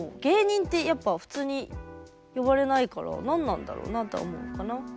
「芸人」ってやっぱ普通に呼ばれないから何なんだろうなとは思うかな。